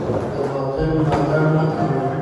د باطل ملاتړ مه کوئ.